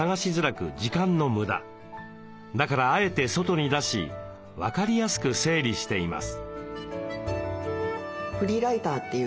だからあえて外に出し分かりやすく整理しています。